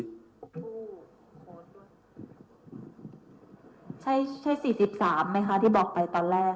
ใช่๔๓ไหมคะที่บอกไปตอนแรก